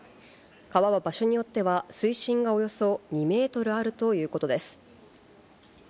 川は場所によっては、水深がおよそ２メートルあるということです。